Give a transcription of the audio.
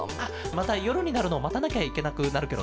またよるになるのをまたなきゃいけなくなるケロね。